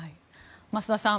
増田さん